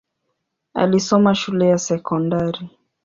Alisoma shule ya sekondari.